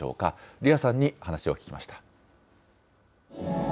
リアさんに話を聞きました。